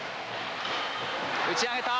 打ち上げた。